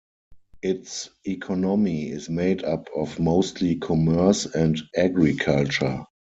Its economy is made up of mostly commerce and agriculture.